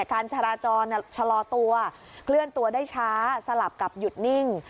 การจราจรชะลอตัวเคลื่อนตัวได้ช้าสลับกับหยุดนิ่ง